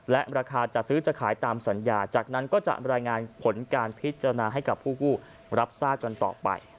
และราคาจัดซื้อจะขายตามสัญญาจากนั้นก็จะรายงานผลการพิจารณาให้กับผู้กู้รับทราบกันต่อไป